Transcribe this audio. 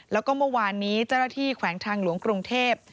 แล้วก็เมื่อวานนี้เจ้าหน้าที่แขวงทางหลวงกรุงเทพ